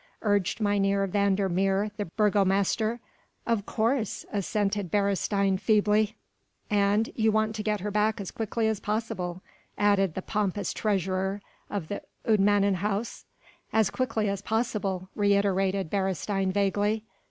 urged Mynheer van der Meer the burgomaster. "Of course," assented Beresteyn feebly. "And you want to get her back as quickly as possible," added the pompous treasurer of the Oudemannenhuis. "As quickly as possible," reiterated Beresteyn vaguely.